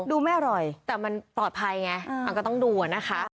ไม่อร่อยแต่มันปลอดภัยไงมันก็ต้องดูอะนะคะ